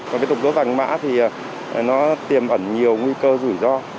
còn cái tục đốt vàng mã thì nó tiềm ẩn nhiều nguy cơ rủi ro